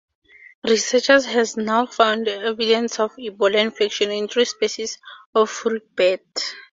Researchers have now found evidence of Ebola infection in three species of fruit bat.